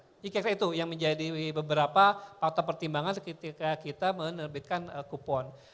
jadi kira kira itu yang menjadi beberapa faktor pertimbangan ketika kita menerbitkan kupon